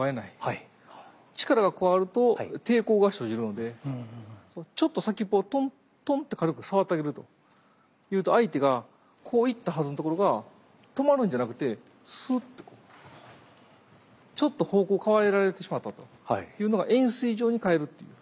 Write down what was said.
力が加わると抵抗が生じるのでちょっと先っぽをトントンって軽く触ってあげると相手がこう行ったはずのところが止まるんじゃなくてスーッとこうちょっと方向を変えられてしまったというのが円錐状に変えるっていう。